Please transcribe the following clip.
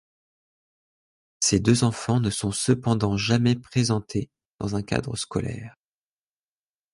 Ces deux enfants ne sont cependant jamais présentés dans un cadre scolaire.